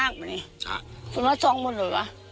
คุณบอกว่า